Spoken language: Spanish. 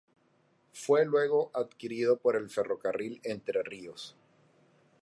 Fue luego adquirido por el Ferrocarril Entre Ríos.